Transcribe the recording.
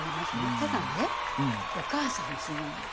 ただねお母さんもすごいんです。